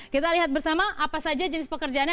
kita lihat bersama apa saja jenis pekerjaannya